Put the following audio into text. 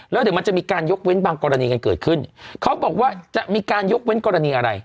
แล้วเดี๋ยวมันจะมีการยกเว้นบางกรณีกันเกิดขึ้นเขาบอกว่าจะมีการยกเว้นกรณีอะไร